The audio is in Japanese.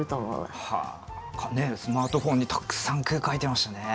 スマートフォンにたくさん句書いてましたね。